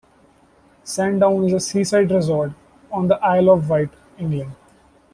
Sandown is a seaside resort on the Isle of Wight, England.